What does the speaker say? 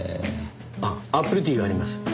あっアップルティーがあります。